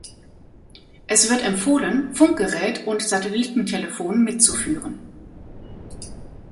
Es wird empfohlen, Funkgerät und Satellitentelefon mitzuführen.